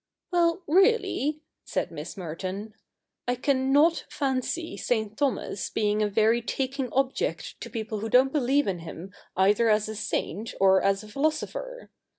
' Well, really,' said Miss Merton, ' I can not fancy St. Thomas being a very taking object to people who don't believe in him either as a saint or a philosopher.